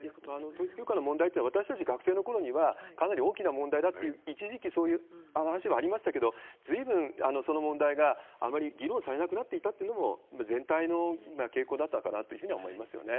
統一教会の問題っていうのは、私たち学生のころには、かなり大きな問題だって、一時期、そういう話はありましたけど、ずいぶんその問題があまり議論されなくなっていったというのも、全体の傾向だったかなというふうには思いますよね。